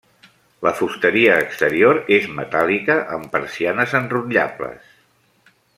La fusteria exterior és metàl·lica amb persianes enrotllables.